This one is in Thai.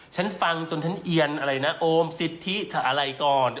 ฉันฟังจนฉันเอียนอะไรนะโอมสิทธิอะไรก่อน